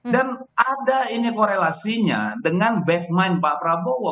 ada ini korelasinya dengan back mind pak prabowo